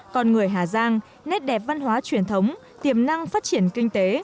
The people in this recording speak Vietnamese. con người hà giang nét đẹp văn hóa truyền thống tiềm năng phát triển kinh tế